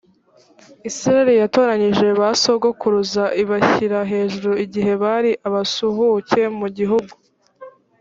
isirayeli yatoranyije ba sogokuruza ibashyira hejuru igihe bari abasuhuke mu gihugu